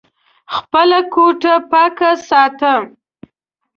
خپله کوټه پاکه ساته !